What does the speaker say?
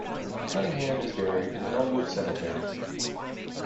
Cunningham is buried in Elmwood Cemetery.